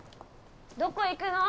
どこ行くの？